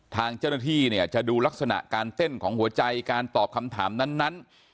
ทางเจ้าหน้าที่เนี่ยจะดูลักษณะการเต้นของหัวใจการตอบคำถามนั้น